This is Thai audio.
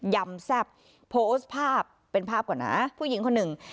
ยำแซ่บโพสต์ภาพเป็นภาพก่อนนะผู้หญิงคนหนึ่ง